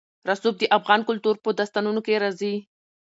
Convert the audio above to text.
رسوب د افغان کلتور په داستانونو کې راځي.